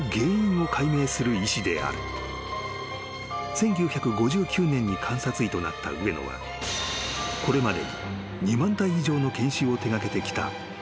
［１９５９年に監察医となった上野はこれまでに２万体以上の検視を手掛けてきた権威］